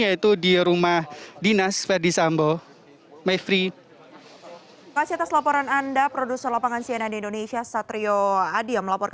yaitu di rumah dinas verdi sambo